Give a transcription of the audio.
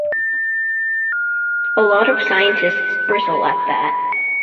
A lot of scientists bristle at that.